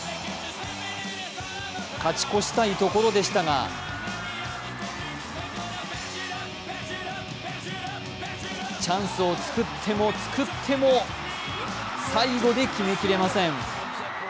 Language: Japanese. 勝ち越したいところでしたがチャンスを作っても作っても最後で決めきれません。